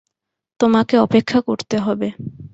তোমাকে অপেক্ষা করতে হবে।